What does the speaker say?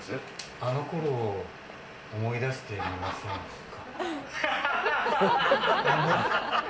あの頃を思い出してみませんか。